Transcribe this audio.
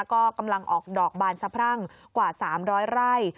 ก็กำลังออกดอกบานสะพรั่งกว่า๓๐๐ไร่